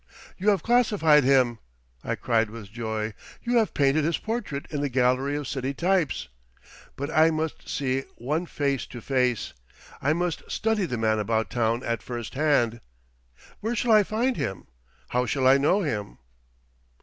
"You have classified him," I cried with joy. "You have painted his portrait in the gallery of city types. But I must meet one face to face. I must study the Man About Town at first hand. Where shall I find him? How shall I know him?"